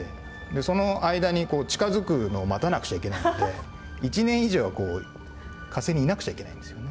でその間に近づくのを待たなくちゃいけないので１年以上火星にいなくちゃいけないんですよね。